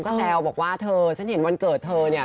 ก็แซวบอกว่าเธอฉันเห็นวันเกิดเธอเนี่ย